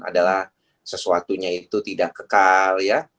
adalah sesuatunya itu tidak kekal ya